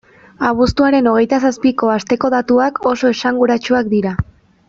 Abuztuaren hogeita zazpiko asteko datuak oso esanguratsuak dira.